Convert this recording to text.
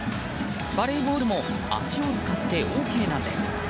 バレーボールも足を使ってＯＫなんです。